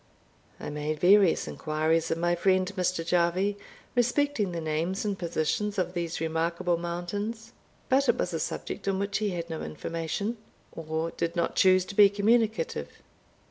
I made various inquiries of my friend Mr. Jarvie respecting the names and positions of these remarkable mountains; but it was a subject on which he had no information, or did not choose to be communicative.